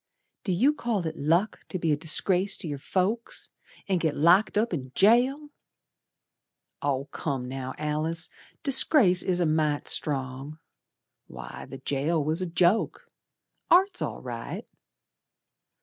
"Do you call it luck to be a disgrace to your folks, And git locked up in jail!" "Oh, come now, Alice, 'Disgrace' is a mite strong. Why, the jail was a joke. Art's all right."